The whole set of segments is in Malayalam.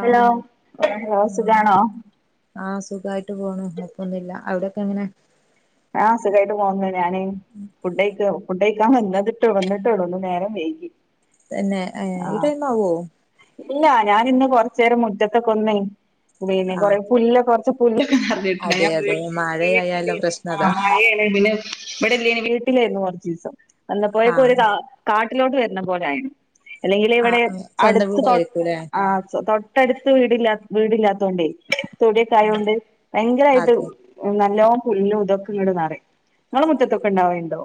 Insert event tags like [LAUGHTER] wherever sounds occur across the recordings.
ഹലോ ആഹ് ആഹ് സുഖണോ? ആഹ് സുഖായിട്ട് പോണു കുഴപ്പോന്നുല്ല അവിടൊക്കെ എങ്ങനെ? ആഹ് സുഖായിട്ട് പോന്നു ഞാന് ഫുഡ് കഴിക്ക ഫുഡ് കഴിക്കാൻ വന്നതിട്ടോ വന്നിട്ടുള്ളൂ ഇന്ന് നേരം വൈകി തന്നെ ഏഹ് ഈ ആഹ് ടൈം ആവോ? ഇല്ല ഞാനിന്ന് കോർച്ചെരം മുറ്റത്തൊക്കെ ഒന്ന് പിന്നെ ആഹ് കോറെ പുല്ല്ക്കെ പർ പുല്ലൊക്കെ അതെ നേർഞ്ജിട്ടുണ്ടായിനി അതെ വീട്ടി മഴയായാല വീട്ടിലെര്ന്നു പ്രശ്നം ആഹ് അതാ മഴെണ് പിന്നെ ഇവടെല്ലേനി വീട്ടിലെനി കോർച്ചീസം വന്നപ്പോയെക്കും ഒര് ആഹ് കാ കാട്ടിലോട്ട് വര്നെ പോലെ ആയിണ് അല്ലെങ്കിലെ ആഹ് ഇവിടെ ആഹ് സ്വന്തം അടുത്ത് കോ വീടായിരിക്കുംല്ലേ ആഹ് തോ ട്ടട്ത്ത് വീടില്ലാ വീടില്ലാത്തോണ്ടേ തൊടിയൊക്കെ ആഹ് ആയോണ്ട് ഭയങ്കരായിട്ട് അതെ നല്ലോം പുല്ലും തൊക്കെങ്ങട്ട്ന്നറിം ഇങ്ങളെ മുറ്റത്തൊക്കെ ഇണ്ടാവല്ണ്ടോ?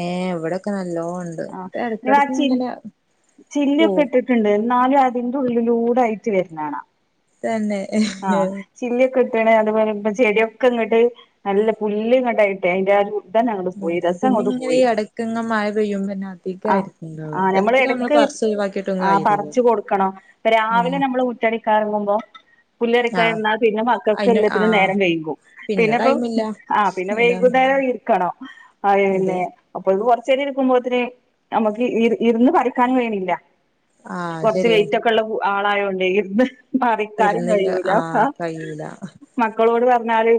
ഏഹ് ഇവടൊക്കെ നല്ലോം ഇണ്ട് ആ ഇപ്പ ഇങ്ങളാ എടക്കെട്ക്ക് ഇങ്ങനെ പോവും റ്റ്ണ്ട് ഇന്നാലും അതിന്റെ ഉള്ളിലൂടെ അയ്റ്റ് വെര്നാണ തന്നെ ചില്ലിയൊക്കെ ഇട്ട്ണ് അത് പോലെ ഇപ്പ ചെടിക്കെങ്ങട്ട് നല്ല പുല്ല്ങ്ങട്ട് ആയിട്ടെ അയ്ന്റെ കു അതെ പിന്നെങ്ങനെ ഈ എടക്ക്ങ്ങനെ മഴ പെയ്യുമ്പന്നെ അധികം ആഹ് ആയിരിക്കും ഇണ്ടാവ ആഹ് എത്ര നമ്മള് എടക്ക് ക ആഹ് പർച്ച് കൊട്ക്കണം പ്പ ഉം രാവിലെന്നെ അമ്മള് മുറ്റടി ക്കാ എർങ്ങുമ്പോ പുല്ലറിക്കാ ആഹ് ഇര്ന്നാ പിന്നെ മക്കക്ക് അയിന് എല്ലത്തിനും ആഹ് നേരം വൈകും പിന്നെ പ്പം പിന്നെ അതാണ് വൈകുന്നേരം ഇര്ക്കണം അതെ അഹ്ന്നെ അപ്പൊയ്ക്കും കൊർച്ചെരം ഇരിക്കുമ്പോത്തിന് നമ്മക്ക് ഇ ഇര്ന്ന് പറിക്കാനും കയ്യ്ണില്ല ആഹ് കൊർച്ച് ശരിയാ വെയിറ്റൊക്കെള്ളെ കു ആളായോണ്ടേ ഇര്ന്ന് പറിക്കാനും ഇരുന്നില്ല കഴിയൂല ആഹ് കഴിയൂല മക്കളോട് പർഞ്ഞാല്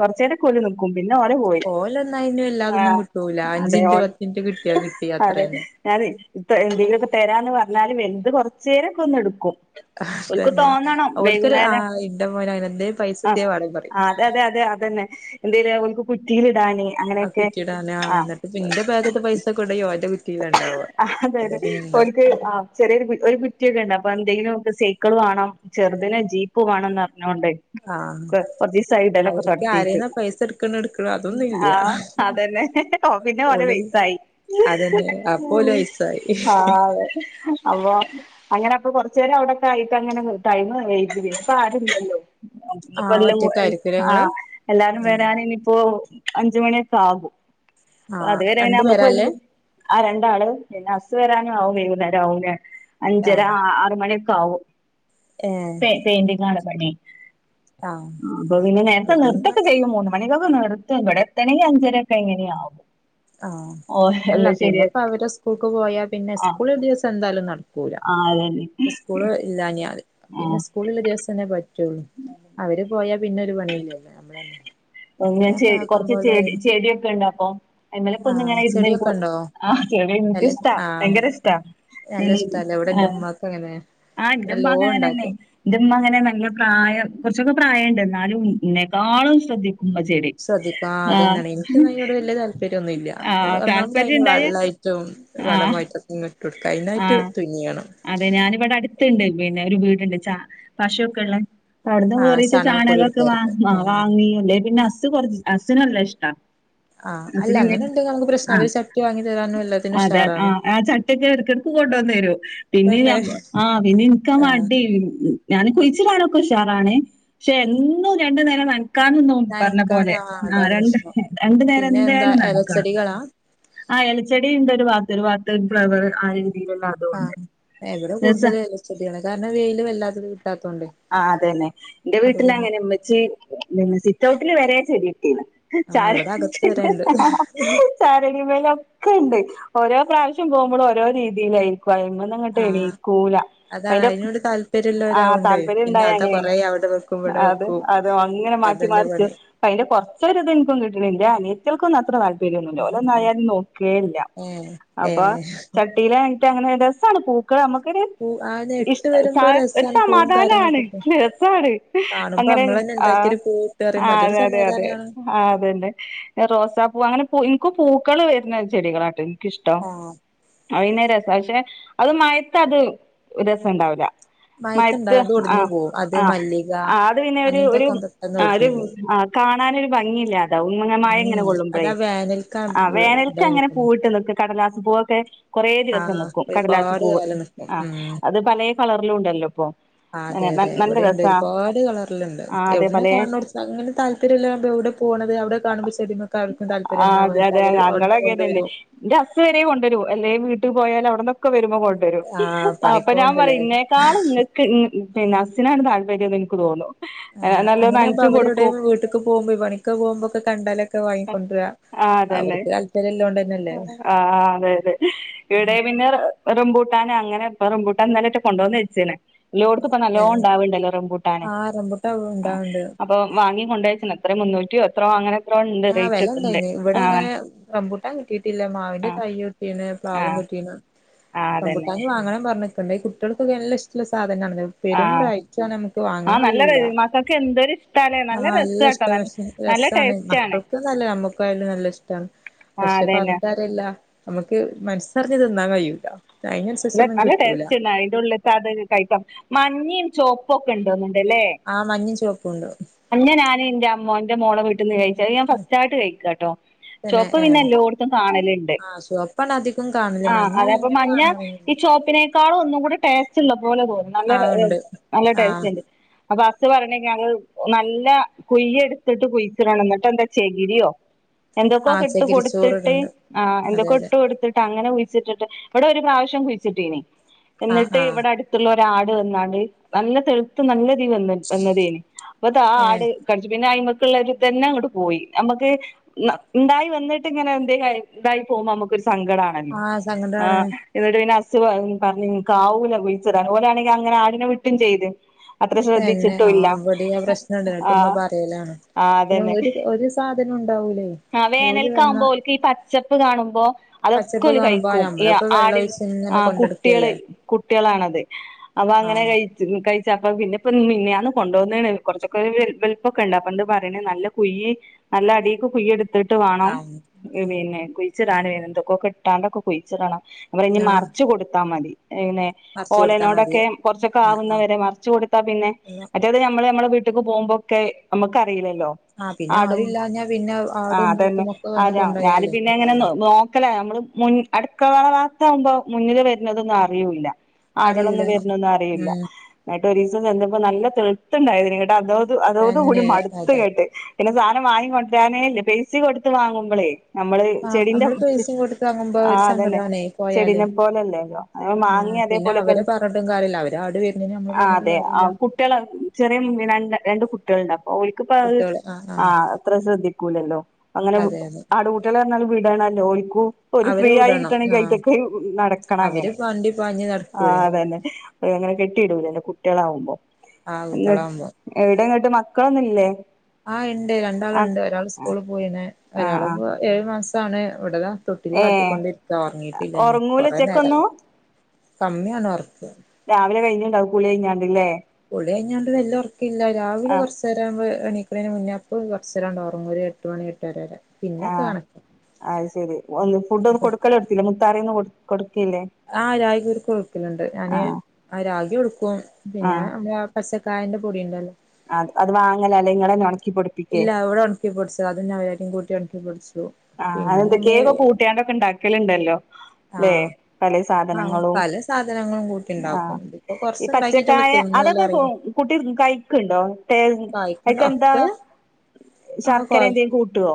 കൊർചേരം ഒക്കെ ഓലും നി ക്കും പിന്നെ ഓലേ പോയി ഓലൊന്നയിന് വല്ലാതൊന്നും ആഹ് കിട്ടൂല അതെ അഞ്ചിൻറ്റ് ഓ പത്തിൻറ്റ് കിട്ടിയാ കിട്ടി അതെ അത്രന്നെ ഞാനെ ഇപ്പ എന്തെലൊക്കെ തരാന്ന് പർഞ്ഞാല് വെൽത് കൊർചേരൊക്കെ ഒന്ന്ട്ക്കും തന്നെ ഓൽക്കൊരു ആഹ് ഇന്റെ മോന് അങ്ങനെന്നെ പൈസ ആഹ് എത്തേം വേണം പറിം ആഹ് അതെ അതെ അതെ അതന്നെ എന്തേലു ഓൽക്ക് കുറ്റിലിടാന് അഹ് കുറ്റിടാനാ ഇന്നട്ട് പിന്റെ ബെഗ്ത്തെ പൈസ കൊണ്ടോയി ഓന്റെ കുറ്റിയിലാ ഇണ്ടാവാ അതെ അതാ അതെ പിന്നെണ്ടാവും ഓൽക്ക് ആഹ് ചെറിയൊര് ഒരു കുറ്റിയൊക്കെണ്ട് അപ്പൊ എന്തെങ്കിലുക്കെ സൈക്കിള് വാണം ചെർതിന് ജീപ്പ് വാണംന്ന് പർഞ്ഞോണ്ട് ആഹ് കൊർച്ചീസായി ടെലൊക്കെ അവർക്ക് തൊട്ത്തിട്ട് ആരേന്നാ പൈസ എടുക്കണെ എടുക്കണെ അതൊന്നുല്ല ആഹ് അതന്നെ ഓ പിന്നെ ഓലേ ഓല് പൈസായി അതന്നെ അപ്പൊ ഓല് വയസ്സായി ആഹ് അതെ അപ്പം അങ്ങനെ അപ്പൊ കൊർചേരം അവിടെക്കെ ആയിട്ടങ്ങനെ ടൈമ് കയ്ൻജിലെ ഇപ്പ ആരുല്ലല്ലോ ഇഞ്പ്പോ ആഹ് എല്ലും ഒറ്റക്കായിരിക്കുലേ ഇങ്ങള് ആഹ് എല്ലാരും വരാന് ഇനിയിപ്പോ അഞ്ചുമണിക്കെ ആകും പ്പ ആഹ് അത് വെരെ രണ്ടു നമ്മക്ക് വെ പേരാല്ലേ ആഹ് രണ്ടാള് പിന്നെ അസ്സ് വരാനും ആവും വൈകുന്നേരം ആവുംല്ലേ അഞ്ചര ആറ്മണി ക്കാവും ഏയെ പെയിന്റിങ്ങാണ് പണി ആഹ് അപ്പൊ പിന്നെ അത് നേരത്തെ നിർത്തം പിന്നെ യൊക്കെ ചെയ്യാൻ പോണു [UNINTELLIGIBLE] ഇവിടെ എത്തണെങ്കി അഞ്ചര [UNINTELLIGIBLE] ഒക്കെ ആവും ആഹ് അല്ല പിന്നെയിപ്പ അവര്ടെ സ്കൂൾക്ക് പോയാ പിന്നെ ആ സ്കൂള് ദിവസം എന്തായാലും നടക്ക - കൂല ആ അതന്നെ സ്കൂള്- ഇല്ലാഞ്ഞാല് ആ പിന്നെ സ്കൂള് ഉള്ള ദെവസം തന്നെ പറ്റൊള്ളൂ അവര് പോയാ- പിന്നെ ഒരു പണിയില്ലല്ലോ നമ്മള് തന്നെ അങ്ങനെ ചെ കൊറ്ച്ച് ചെടി ചെടിയൊക്കെയൊണ്ടോ അപ്പൊ- അയിൻ മേലേക്ക് ഒന്ന് ആഹ് ഇങ്ങനെ ഇരുന്ന് ചെടിയൊക്കെ എനിക്ക് ഉണ്ടോ ആഹ് ചെടി എനിക്ക് നല്ല ഇഷ്ട്ടാ ആഹ് ഭയങ്കര ഇഷ്ടാ നല്ല ഇഷ്ടാല്ലേ ഇവിടെ എന്റെ ആഹ് ഉമ്മാക്ക് അങ്ങനെ ആഹ് എന്റെ ഉമ്മ നല്ലോ അങ്ങനെ തന്നെയല്ലേ ഉണ്ടാക്കും ഇന്റെ ഉമ്മ അങ്ങനെ നല്ല പ്രായം കൊറ്ച്ചൊക്കെ പ്രായയൊണ്ട് എന്നാലും ഇന്നെക്കാളും ശ്രദ്ധിക്കും ഉമ്മ ചെടി - ശ്രദ്ധിക്കാ ആഹ് അത് തന്നെയാണെ എനിക്ക് എന്നാ അതിനോട് വല്ല്യ- താല്പര്യന്നുല്ല ആഹ് ഒന്നാമത് താല്പര്യം അതിന് ഇണ്ടായ വെള്ളായിട്ടും ആഹ് വളമായിട്ടും- അങ്ങ് ഇട്ടുകൊടുക്കും അയ്നായിട്ട് ആഹ് തുന്നിയിയണം അതെ ഞാനിവിടെ അട്ത്ത്‌ണ്ട് പിന്നെ ഒര് വീട്ണ്ട് ച പശു വൊക്കെ യുള്ളെ അവിടുന്നു ആഹ് കേറി ഇച്ചിരി ചാണകപ്പൊടി ചാണകൊക്കെ എടുക്കായിരിക്കും ആ ആഹ് വാങ്ങി പിന്നെ ഹസ് കൊറ്ച്ച് ഹസ്സിന് നല്ല ഇഷ്ടാ ആഹ് അല്ല അങ്ങനെ ഉണ്ടെങ്കിൽ നമുക്ക് പ്രശ്നം [UNINTELLIGIBLE] അവര് ചട്ടി വാങ്ങി തരാനും എല്ലാത്തിനും അതെ ഉഷാറാണ് അതെ [UNINTELLIGIBLE] ഇപ്പോം കൊണ്ടോന്ന് തരും ന പിന്നെ ഞ തന്നെ ആഹ് പിന്നെ എനിക്ക് ആഹ് മടി ഞാന് കുഴിച്ചിടാനൊക്കെ ഉഷാറാണ് പക്ഷെ എന്നും രണ്ട് നേരം ന- ക്കാനൊന്നും ഓൻ പറഞ്ഞ പോലെ നനക്കാന് അതാ ആഹ് രണ്ട് പ്രശ്നം രണ്ട് നേരം പിന്നെ എന്താ എന്തായാലും നനയ്ക്കണം ഇലച്ചെടികളാ ആഹ് എലചെടിണ്ട് ഒര് വാത്ത്‌ ഒര് വാത്ത്‌ ഫ്ലവർ ആ രീതിയില- ആഹ് എവിടെ കൂടുതല് എലചെടികളാ കാരണം വെയില് വല്ലാതെ കിട്ടാത്തോണ്ട് ആ അതന്നെ എന്റെ വീട്ടില് അങ്ങനെ ഉമ്മച്ചീ സിറ്റ് ഔട്ടിൽ വരെ ചെടി നട്ടീന്ന് ആഹ് ചാരെ ഇവിടെ അകത്ത് വരെണ്ട് നാരങ്ങയും മാങ്ങയും ഒക്കെണ്ട് ഓരോ പ്രാവശ്യം പോവുമ്പോളും ഓരോ രീതിയിലായിരിക്കും അയിമ്മന്ന്- കങ്ങട്ടേ. ആഹ് ണീകൂല.. [UNINTELLIGIBLE] അതാണ് അയിനോട് താല്പര്യള്ളോ രായൊണ്ടേ താല്പര്യം പിന്നെ ഉണ്ടായ അതാ അങ്ങനെയാണ് കൊറേ അവിടെ വെക്കു ഇവിടെ വെക്കു [UNINTELLIGIBLE] തന്നെപ അയിന്റെ കൊറചോരു ഇത്‌ ഇൻക്കും കിട്ടിണ് എന്റെ അനിയത്തിക്കൊന്നും അത്ര താ താൽപര്യഒന്നുല്ല ഓലോന്നും ആയിലൊന്നും നോക്കുവേയില്ല ഏഹ് അപ്പൊ- ഏഹ് ഇലേ ആയി [UNINTELLIGIBLE] ട്ടങ്ങനെ രസ്സാണ് പൂ- ക് നമക്കൊരു പൂ ആനെ ഇഷ് ഇട്ട് സ വരുമ്പോ രസാണ് പൂവും സമാധാനണ് കാര്യങ്ങളൊക്കെ ഇട്ട് രസാണ്- കാണുമ്പോ അങ്ങനെ നമ്മളന്നെ ആ ഉണ്ടാക്കിയൊരു പൂവിട്ട് പറയുമ്പോ ആഹ് അതൊരു അതെ അതെ അതെ സമാധാനമാണ് ആഹ് അതുയുണ്ട് റോസപ്പൂ അങ്ങനെ പു ഇൻക്ക് പൂക്കള് വെര്ന്ന ചെടികളാണ്ട് ട്ടോ എനിക്കിഷ്ട്ടം. ആഹ് അഹ് പിന്നെ രസം പക്ഷെ അത് മഴയത്ത് അത് ഒരു രസം ഉണ്ടാവൂല മയത്ത് മയത്തുണ്ടാവും അത് ഒടിഞ്ഞു ആഹ് പോവും അത് ആഹ് മല്ലിക ആഹ് അത് പിന്നെ ഒര് ഒര് അങ്ങനത്തൊക്കെ പെട്ടെന്ന് ആ ഒര് ഒടിഞ്ഞു പോവും ആഹ് കാണാനൊരു ഭംഗിയില്ല അങ്ങനെ മഴങ്ങനെ ഉം അതാ കൊള്ളുമ്പഴേ. വേനൽക്കാ ആ ഇതാ വേനൽക്ക്‌ അങ്ങനെ നിക്കും പൂവിട്ട് നിക്ക്- കടലാസ്പൂവൊക്കെ കൊറേ ദിവസം ആഹ് നിക്കും. ഒരുപാട് കടലാസ്പൂവ് കാലം നിക്കും ആഹ് ഉം അത് പലേ കളർലുണ്ടല്ലോ ഇപ്പൊ അതെ അങ്ങനെ അതെ നല്ല ഇവടെയിണ്ട് രസാ ഒരുപാട് കളറിലുണ്ട് ആഹ് അതെ എവിടന്ന പലേ കാണോ അങ്ങനെ താൽപര്യയില്ലാതെ എവിടെ പോണത് അവിടെ കാണുമ്പോ ശരിയമ്മേ നിങ്ങൾക്കാർക്കും താല്പര്യം ആഹ് അതെ ഇണ്ടാവും അതെ അവര് അവടുന്ന് ഞങ്ങളങ്ങനെന്നെ കൊണ്ടുവരും എന്റെ ഹസ്സ് വരെ കൊണ്ട് വരും എന്തേലും വീട്ട് പോയാല്. അവിടന്നൊക്കെ വരുമ്പോ കൊ വെരും ആഹ് പണിക്ക് ഞാൻ പറയു പോകുമ്പല്ലേ ഇന്നേക്കാളും നിങ്ങക്ക് പിന്നെ ഹസ്സിനാണ് താല്പര്യം ഇൻക്ക് തോന്നു.. ആഹ് അങ്ങനെ ഇപ്പ അവര് എവിടേലും വീട്ട്ക്ക് പോവുമ്പോ പണിക്ക്‌ പോവുമ്പം ഒക്കെ കണ്ടാല് ആ അത് തന്നെ താല്പര്യല്ലോണ്ടന്നല്ലേ ആഹ് അതെ ഇവിടെ പിന്നെ റംബൂട്ടാൻ അങ്ങനെ ഇപ്പൊ റംബൂട്ടാൻ ഇന്നലെ യായിട്ട് കൊണ്ട് വന്ന് വെച്ചേനെ എല്ലോട്ത്ത്പ്പ നല്ലോ അതാണ് ഇണ്ടാവ്ണ്ടല്ലോ റംബുട്ടാന് ആഹ് റംബുട്ടാൻ ആഹ് ഉണ്ടാവ്ണ്ട് അ പ്പം വാങ്ങി കൊണ്ടേച്ച്ന് എത്രേ മുന്നൂറ്റിയോ എത്രോ അങ്ങനെ എത്രോ ഇണ്ട് ആഹ് റേറ്റ് ഒക്കെ ഇണ്ട് വെലണ്ടയിന് ഇവടെ അങ്ങനെ ആഹ് റംമ്പൂട്ടാൻ കിട്ടീട്ടില്ല മാവിന്റെ ആഹ് തയ്യ് കിട്ടീണ് പ്ലാവും ആഹ് കിട്ടീണ് ആഹ് അതന്നെ റംമ്പുട്ടാൻ ഇഞ്ഞ് വാങ്ങണം പർഞ്ഞ്ക്ക്ണ്ട് ഈ കുട്ട്യെൾക്കൊക്കെ നല്ല ഇഷ്ടള്ള സാധനാണത് പെരും റയിറ്റാണ് അമ്മക്ക് വാങ്ങാ കഴിയൂല ഇങ്ങക്കെ എന്തൊര് [UNINTELLIGIBLE] നല്ല ഇഷ്ട്ടാ പക്ഷേ രസാണ് ടേസ്റ്റ് ആണ് മക്കൾക്ക്ന്നല്ല ഞമ്മക്കായാലും നല്ല ഇഷ്ടാണ് ആ പക്ഷേ അതന്നെ പർഞ്ഞിട്ടാര്യല്ലാ അമ്മക്ക് മന്സ്സറിഞ്ഞ് തിന്നാ കഴിയൂല [UNINTELLIGIBLE] അയിനനുസരിച്ചൊന്നും നല്ല കിട്ടൂല ടേസ്റ്റന്നെ അയിന്റെ ഉള്ള്ത്തെ ആത് കയിക്കാം മഞ്ഞിം ചോപ്പൊക്കണ്ട് തോന്ന്ണ്ട്ലേ ആഹ് മഞ്ഞിം ചോപ്പുണ്ട് മഞ്ഞ ഞാന് ഇന്റെ അമ്മോന്റെ മോളെ വീട്ട്ന്ന് കഴിച്ച് അഹ് ഞാൻ ഫസ്റ്റായിട്ട് കഴിക്കാട്ടോ ചോപ്പ് പിന്നെ എല്ലോട്ത്തും കാണല്ണ്ട് ആ ചുവപ്പാണ് അധികം കാണല് ആഹ് മഞ്ഞൾ അതേപ്പം അങ്ങനെ മഞ്ഞ കാണാറൊന്നുല്ല ഈ ചോപ്പിനെക്കാളും ഒന്നുക്കൂടെ ടേസ്റ്റ്ള്ള പോലെതോന്നും നല്ലെ ആ ഏഹ് ഉണ്ട് നല്ല ആ ടേസ്റ്റ്ണ്ട് അപ്പ ഹസ്സ് പർണേഞ്ഞ ഞങ്ങള് നല്ല കുയ്യെട്ത്തിട്ട് കുഴിച്ചിടണം. ഇന്ന്ട്ടെന്താ ചെകിരിയോ ആ എന്തക്കോക്ക്ട്ട് കൊട്ത്തിട്ട് ചകിരിച്ചോറിടുണ്ട് ആഹ് അതെ എന്തക്കോ അതെ ഇട്ട് കൊട്ത്തിട്ട് അങ്ങനെ കുഴി ച്ച്ട്ട്ട്ട് ഇവടെ ഒരു പ്രാവശ്യം കുഴിച്ചിട്ടിനി ആ എന്നിട്ട് ആ ഇവിടെ അട് ത്ത്ള്ളോരാട് വന്നാണ്ട് നല്ല തെഴ്ത്ത് നല്ലതി വന്ന് വന്നത്തേനി അപ്പത് ആ ഏ ആട് കട്ച്ച് പിന്നെ അയിമക്ക്‌ള്ളൊര് ഇതന്നെ അങ്ങണ്ട് പോയി അമ്മക്ക് ഇന്നാ ഇണ്ടായി വന്ന്ട്ട്ങ്ങനെ എന്തേ [UNINTELLIGIBLE] ഇതായി പോവുമ്പോ അമ്മക്കൊര് സങ്കടാണല്ലോ ആ സങ്കടാണ് ആഹ് ഇന്ന്ട്ട് പിന്നെ ഹസ്സ് പർ പർഞ്ഞ് ഇന്ക്കാവൂല കുഴിച്ചിടാന് ഓലാണെങ്കി അങ്ങനെ ആടിനെ വിട്ടും ചെയ്ത് അത്ര തന്നെ ശ്രദ്ധിച്ചിട്ടും ഇല്ല ആഹ് ഇവടിം ആ പ്രശ്നണ്ട് ന്ന്ട്ട് ആ ഇമ്മ പറയലാണ് ആ പിന്നെ ഒര് ഒര് സാധനു ഇണ്ടാവുല്ലെ ആഹ് വേനൽക്കാവുമ്പോ ഓൽക്ക് ഈ പച്ചപ്പ് കാണുമ്പോ അതൊക്കെ പച്ചപ്പ് ഓല് കാണുമ്പോ കഴിക്കും ഇയാ നമ്മളിപ്പോ വെള്ളം ആടിൻ ഒഴിച്ച് ഇങ്ങനെ ആഹ് കുട്ടിയള് കൊണ്ടടുക്കല്ലേ കുട്ടിയളാണത് അപ്പൊ ആ അങ്ങനെ കഴി ച്ചിൻ കഴിച്ചപ്പം പിന്നെ ഇപ്പ മിനിയാന്ന് കൊണ്ടോന്ന്ണ് കൊറച്ചൊക്കൊര് വെൽ വെൽപ്പൊക്കെണ്ട് അപ്പണ്ട് പറിണ് നല്ല കുയ്യ് നല്ല അടീക്ക് കുയ്യെട്ത്തിട്ട് വാണം ആ ഏഹ് പിന്നെ കുഴിച്ചിടാന് എന്തൊക്കോക്കെ ഇട്ടാണ്ടൊക്കെ കുഴ്ച്ച്ടണം അവറിഞ്ഞ് ആ മറച്ച് കൊടുത്താ മതി ഏഹ് നേ മറിച്ച് കൊടുത്താ മതി ഓലനോടൊക്കെ കൊറച്ചൊക്കെ ആ ആവുന്നവരെ മറച്ച് കൊടുത്താ പിന്നെ ആ അ മറ്റേത് ഞമ്മള് ഞമ്മളെ വീട്ട്ക്ക് പോവുമ്പൊക്കെ അമ്മക്ക് അറീയില്ലല്ലോ ആഹ് പിന്നെ ആരും ഇല്ലാഞ്ഞാ പിന്നെ അ ആഹ് അതന്നെ അരാ ഞാന് പിന്നെ അങ്ങനെ ഇതാവൂല നോ നോക്കലാ ഞമ്മള് മുൻ അടുക്കള [UNINTELLIGIBLE] വാത്താവുമ്പം മുന്നില് വെര്ന്നതൊന്നും അറിയൂല്ല അറിയൂല ആടളൊന്നും വെരണൊന്നും അറിയുല്ല ഉം ന്ന്ട്ട് ഒരീസം ചെന്നപ്പോ നല്ല തെള്ത്ത് ഇണ്ടായത്തേനി ഇന്ന്ട്ടതോ [UNINTELLIGIBLE] അതോടു കൂടി തന്നെ അതാ മട്ത്ത്ങ്ങെട്ട് പിന്നെ സാനം വാങ്ങി കൊണ്ടരാനേ ഇല്ല പൈസിം കൊടുത്ത് വാങ്ങുമ്പളേ ഞമ്മള് ആ ചെടിന്റെ നമ്മള് ച്ച് പൈസയും കൊടുത്ത് വാങ്ങുമ്പോ ഒരു ആഹ് അതന്നെ സങ്കടാണേ പോയാല് ചെടീനെ പോലെ അല്ലേല്ലോ അഹ് ആ മാങ്ങിം പിന്നെ അതേപോലൊക്കെ അവരെ പറഞ്ഞിട്ടും കാര്യല്ല അവര് ആട് വരുന്നേന് നമ്മള് ആഹ് പറഞ്ഞിട്ട് അതെ കാര്യല്ല ആഹ് കു ട്ടിയളാണ് ഉം ചെറിയെ [UNINTELLIGIBLE] രണ്ട് രണ്ട് കുട്ടിയള്ണ്ട് അപ്പൊ ഓല്ക്ക്പ്പ അഹ് കുട്ടികള് ആ ആ ആഹ് അ ത്ര ശ്രദ്ധിക്കൂല്ലല്ലോ അങ്ങനെം അതെ അതെ ആട് കുട്ടിയള് പർഞ്ഞാൽ വിടണല്ലോ ഓല്ക്കും ഒരു അവര് ഫ്രീയായി വിടണം കിട്ടണെങ്കി ആ അയിറ്റക്കെ ഉം നടക്കണം അവര് അങ്ങനെ വണ്ടി പാഞ്ഞ് ആഹ് നടക്കൂലേ അതന്നെ [UNINTELLIGIBLE] അങ്ങനെ കെട്ടി ഇടൂല്ലല്ലോ കുട്ടിയളാവുമ്പം ആഹ് കുട്ടിയളാവുമ്പം എവടേങ്ങട്ട് മക്കളൊന്നുല്ലേ ആഹ് ഇണ്ട് രണ്ടാള്ണ്ട് ഒരാള് സ്കൂള് പോയി പിന്നെ ആഹ് ആഹ് ഒരാള്പ്പൊ ഏഴു മാസാണ് ഇവെടതാ തൊട്ടിലി ഏഹ് ആട്ടിക്കൊണ്ടിര്ക്കാ ഒറങ്ങിയിട്ടില്ലാഞ്ഞും ഒറങ്ങൂല കൊറേ നേരായി ഉച്ചക്കൊന്നും കമ്മിയാണ് ഒർക്ക് രാവിലെ കഴിഞ്ഞ്ണ്ടാവും കുളി കഴിഞ്ഞാണ്ട്ല്ലേ കുളി കഴിഞ്ഞാണ്ട് വെല്ല്യ ഒറക്കില്ല രാവിലെ ആഹ് കൊറച്ച് [UNINTELLIGIBLE] എണീക്ക്ണേനെ മുന്നെ അപ്പൊന്ന് കൊറച്ചേരാണ്ട് ഒറങ്ങും ഒരു എട്ട് മണി എട്ടര വരെ ആ പിന്നൊക്കെ കണക്കാ അയ് ശരി ഒന്ന് ഫുഡ് ഒന്നും കൊടുക്കല് തൊട്ത്തില്ലേ മുത്താറിയൊന്നും കൊ കൊടുക്കെല്ലേ ആ രാഗി കുറുക്ക് കൊട്ക്കല്ണ്ട്. ഞാന് ആ രാഗി കൊടുക്കും. പിന്നെ ആഹ് [UNINTELLIGIBLE] പച്ചക്കായന്റെ പൊടി ഇണ്ടല്ലോ അത് അത് വാങ്ങല അല്ലേ ഇങ്ങളന്നെ ഉൺക്കിപൊടി ഇല്ല ഇവടെ ഉൺക്കിപ്പൊട്ച്ചതാ അത് നവരരിം കൂട്ടി ഉൺക്കിപ്പൊട്ച്ചു. ആ അതെന്തേക്കെ ഒക്ക കൂട്ടിയാണ്ടൊക്കെ ഇണ്ടാക്കല്ണ്ടല്ലോ ലെ ആഹ് പലെ ആഹ് സാധനങ്ങളും പല സാധനങ്ങളും ആ കൂട്ടിണ്ടാക്കും ഇതിപ്പോ ഈ പച്ച കൊർച്ച്ണ്ടാക്കിട്ടൊള്ളു കായ തിന്നൊള്ളു അതെക്കെ കു അറിയ കുട്ടി കഴിക്ക്ണ്ടോ കായ്ക്കണ്ട അയ്ക്കെന്താ ഒക്കെ ശർക്കര എന്തേ കൂട്ടോ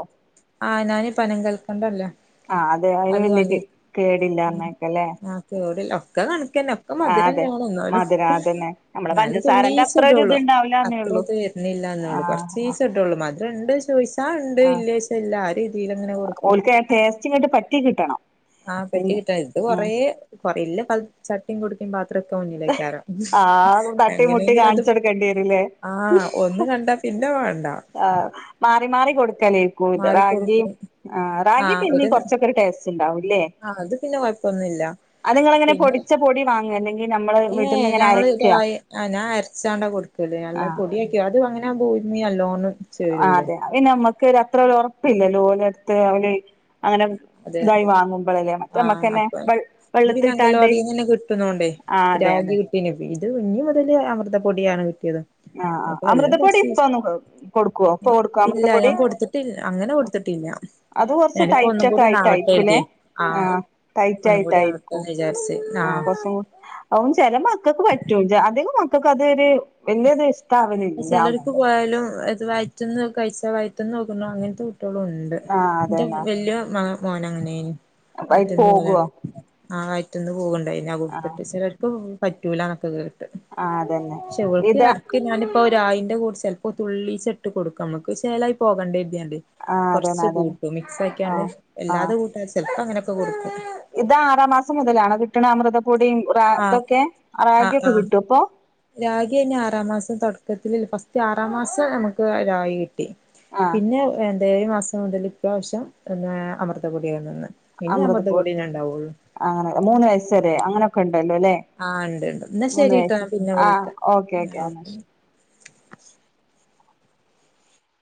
ആ ഞാന് പനം കൽക്കണ്ടല്ലേ ആഹ് അയ്ന് അത് വല്യ വാങ്ങി കേ കേടില്ലാന്നേക്കല്ലേ ആ കേടല്ലേ ഒക്കെ കൺക്കന്നെ ക്ക ആഹ് അതെ മധുരന്നെണ് ന്നാലും മധുരം അതന്നെ നമ്മളെ ന്നാലും പഞ്ചസാരന്റെ തുള്ളീച്ചെ അത്ര ഒരു ഇത് ഇടോള്ളു. ഇണ്ടാവൂലാന്നേ അത്ര ഒള്ളൂ അത്ര വരുന്ന്ല്ല ന്നോള്ളൂ ആഹ് കൊർചീചെ ടോള്ളൂ മധുര ഇണ്ടോ ചോയ്ച്ചാ ഇണ്ട് ഇല്ലേയ്ച്ചാ ഇല്ല. ആ രീതിയില അങ്ങനെ കൊടുക്കും [UNINTELLIGIBLE] ച്ച് ഇങ്ങട്ട് പറ്റി കിട്ടണം ആ പറ്റി പിന്നെ കിട്ടാ ഇത് ഉം കൊറേ കൊറില്ല ചട്ടിം കുടുക്കിം പാത്ര ഒക്ക മുന്നിലേക്കാരം ആ തട്ടി മുട്ടി എങ്ങനെങ്കിലു അത് കാണിച്ചെടുക്കേണ്ടി വരൂല്ലേ ആ ഒന്ന് കണ്ടാ പിന്നെ വാണ്ട. ആ മാറി മാറി കൊടുക്കല് ക്കൂല റാഗി മാറിക്കൊടുക്കും ആ റാഗി ആഹ് പിന്നിം ഒരു കൊർച്ചൊക്കെരു ടേസ്റ്റ് ഇണ്ടാവൂ ല്ലേ ആഹ് അത് പിന്നെ കൊഴപ്പൊന്നുല്ല അത് ഇങ്ങളെങ്ങനെ പിന്നെ പൊടിച്ച പൊടി വാങ്ങ അല്ലെങ്കി നമ്മള് ഏ വീട്ടിന്ന് ഇങ്ങനെ ഞങ്ങള് അരക്ക അല്ല ആ പൊടിയ ആക്കിഅത് അങ്ങനെ പുഴുങ്ങി നല്ലോണം ആ ചേരൂലേ അതെ അത് പിന്നെ നമ്മക്ക് അത്രരു ഒറപ്പില്ലല്ലോ ഓല് എത്ത് [UNINTELLIGIBLE] അങ്ങന അതെ ഇതായി വാങ്ങുമ്പളല്ലേ മറ്റേ ആ അമ്മക്കന്നെ അപ്പൊ വെൾ ഇത് പിന്നെ വെള്ളത്ത്ട്ടാണ്ട് അംഗലവാടിന്നന്നെ ആ അതെ അതെ. പിന്നെ ഇത് ഇഞ് മുതല് അമൃതപ്പൊടിയാണ് കിട്ടിയത് ആ ആ അപ്പൊ എല്ലാം അമൃതപ്പൊടി ഇപ്പൊ കൊറച്ചീച്ചെ ഒന്ന് കൊടുക്കൊ ഇപ്പൊ ആ കൊടുക്കാ ഇല്ല അമൃതപ്പൊടി ഞാൻ കൊടുത്തിട്ടില്ല അങ്ങനെ കൊട്ത്തിട്ടില്ല അത് കൊർച്ച് ടൈറ്റ് ഒക്ക ആയി ട്ടായിക്കു ലെ ആ ടൈറ്റ് ഒന്നും കൂടി ആയിട്ടായിരിക്കും ആവട്ടെന്ന് വിചാരിച്ച് ആ കൊർച്ചോ അവും ചെല മക്കക്ക് പറ്റും അധികം മക്കക്കും അതര് വല്ല്യര് ഇഷ് ചേലോൽക്ക് പോയാലും അത് വയറ്റ്ന്ന് കഴിച്ച വയറ്റ്ന്ന് പോകുന്ന അങ്ങൻത്തെ കുട്ടിയളും ഇ ണ്ട് ആഹ് ഇന്റെ അതന്നെ വല്യ മകം മോന് അങ്ങനെനി അയി വയറ്റ്ന്ന് പോകുവോ [UNINTELLIGIBLE] ആ വയറ്റ്ന്ന് പോവ്ണ്ടയിനി അത് ആഹ് കൊട്ത്ത്ട്ട് ചെലോർക്ക് പറ്റൂലന്നൊക്കെ കേ ട്ട് ആഹ് അതന്നെ പഷേ ഓൽക്ക് ഇത് എടക്ക് ഞാന് ഇപ്പൊ രായിൻ്റെ കൂ ചെൽപ്പം തുള്ളീച്ചട്ട് കൊട്ക്കും നമ്മക്ക് ചെലാ പോകണ്ടെ യര്തിയാണ്ട് ആഹ് അതന്നെ കൊർച്ച് അതന്നെ കൂട്ടും മിക്സ് ആക്കിയാണ്ട് ആഹ് ആഹ് എല്ലാതെ കൂട്ടാ ചെൽപ്പം അങ്ങനെക്കെ കൊടുക്കും ഇത് ആറാം മാസം മുതലാണോ കിട്ട്ണ അമൃതപ്പൊടിയും റാ ആ ഇതൊക്കെ ആ റാഗിയൊക്കെ ആ കിട്ടോ ഇപ്പൊ രാഗി അന്നെ ആറാം മാസം തോട്ക്കത്തില് ഫസ്റ്റ് ആറാം മാസം നമുക്ക് രാഗി കി ട്ടി ആഹ് പിന്നെ എന്താ എഴു മാസം മുതല് ഇപ്രാവശ്യം അമൃതപൊടിയ തന്നെ അമൃത പൊ അങ്ങനെ മൂന്ന് വയസ്സരെ അങ്ങനെക്കെ ഇണ്ടല്ലോ ലെ ആഹ് ഉണ്ട് ഉണ്ട് എന്നാ മൂന്ന് ശരിട്ടോ വയസ് ഞാൻ പിന്നെ ആ വിളിക്കാം ഓക്കെ ഓക്കെ എന്നാ ശ